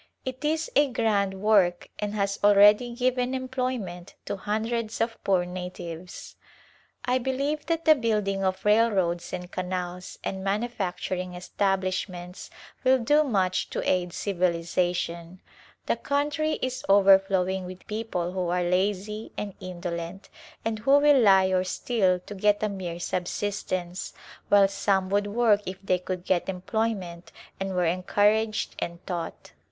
It is a grand work and has already given employment to hundreds of poor natives. I believe that the building of railroads and canals and manufacturing establishments will do much to aid civilization. The country is overflowing with people who are lazy and indolent and who will lie or steal to get a mere subsistence, while some would work if they could get employment and were encouraged and taught.